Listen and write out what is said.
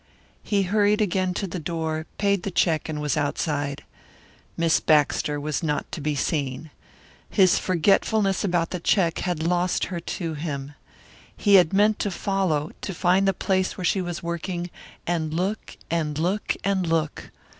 He hurried again to the door, paid the check and was outside. Miss Baxter was not to be seen. His forgetfulness about the check had lost her to him. He had meant to follow, to find the place where she was working, and look and look and look!